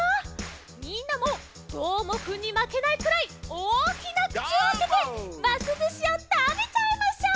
みんなもどーもくんにまけないくらいおおきなくちをあけてますずしをたべちゃいましょう！